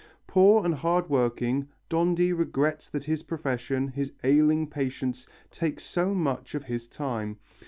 Poor and hard working, Dondi regrets that his profession, his ailing patients, take so much of his time.